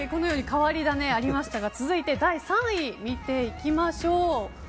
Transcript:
変わり種がありましたが続いて第３位見ていきましょう。